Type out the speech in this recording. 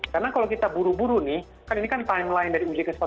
karena kalau kita buru buru nih ini kan timeline dari uji ke tiga belas